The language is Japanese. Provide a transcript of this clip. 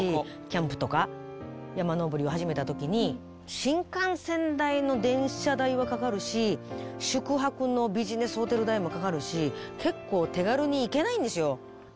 キャンプとか山登りを始めた時に新幹線代の電車代はかかるし宿泊のビジネスホテル代もかかるし結構手軽に行けないんですよ。